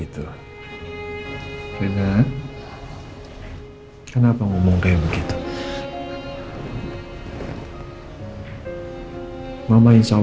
tapi kalau mama sial